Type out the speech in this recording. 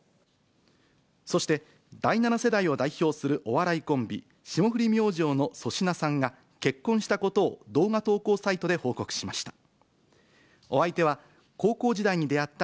そして、第７世代を代表するお笑いコンビ、霜降り明星の粗品さんが結婚したことを、動画投稿サイトで発表しました。